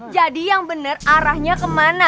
jadi yang bener arahnya kemana